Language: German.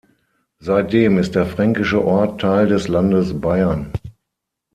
Seitdem ist der fränkische Ort Teil des Landes Bayern.